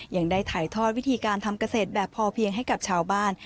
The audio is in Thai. ยังได้ถ่ายทอดวิธีการทำเกษตรแบบพอเพียงให้กับชาวบ้าน